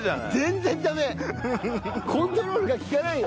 コントロールが利かないよ！